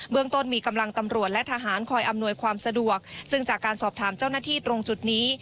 เมืองต้นมีกำลังตำรวจและทหารคอยอำนวยความสะดวกซึ่งจากการสอบถามเจ้าหน้าที่ตรงจุดนี้